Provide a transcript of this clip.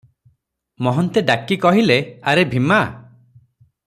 ମହନ୍ତେ ଡାକି କହିଲେ, "ଆରେ ଭୀମା!